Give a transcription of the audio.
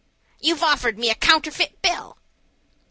"You've offered me a counterfeit bill."